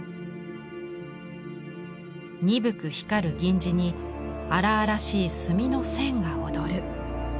鈍く光る銀地に荒々しい墨の線が躍る。